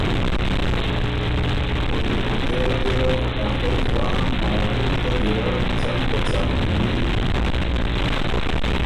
او بيې په تېره تېره که ا خوئ ګران محبوب ده ګیرډ څنګ په څنګ هېنئی